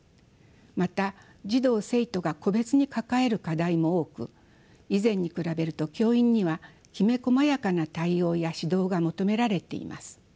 また児童生徒が個別に抱える課題も多く以前に比べると教員にはきめこまやかな対応や指導が求められています。